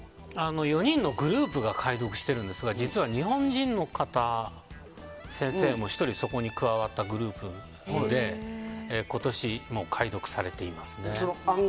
４人のグループが解読しているんですが実は、日本人の方先生もそこに加わったグループで今年、解読されていますね。